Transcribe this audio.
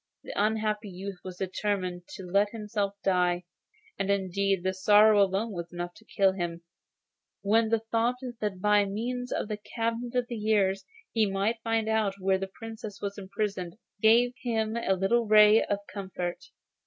The unhappy youth had determined to let himself die, and indeed his sorrow alone was enough to kill him, when the thought that by means of the cabinets of the years he might find out where the Princess was imprisoned, gave him a little ray of comfort.